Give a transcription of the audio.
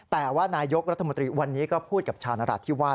แต่ว่านายกรัฐมนตรีวันนี้ก็พูดกับชาวนราธิวาส